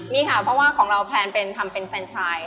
มีค่ะเพราะว่าของเราแพลนเป็นทำเป็นแฟนชาย